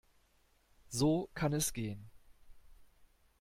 So kann es gehen.